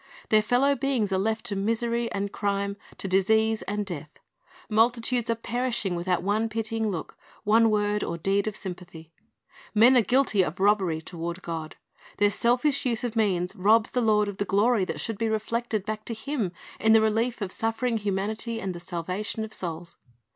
Their fellow beings are left to misery and crime, to disease and death. Multi tudes are perishing without one pitying look, one word or deed of sympath} . Men are guilty of robbery toward (}od. Their selfish u.se of means robs the Lord of the glory that should be reflected back to Him in the relief of suffering humanit)' and the salvation of souls.